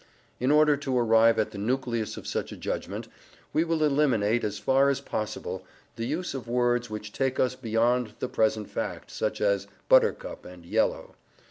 In order to arrive at the nucleus of such a judgment, we will eliminate, as far as possible, the use of words which take us beyond the present fact, such as "buttercup" and "yellow."